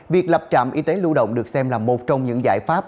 việc lập trạm y tế lưu động được xem là một trong những giải pháp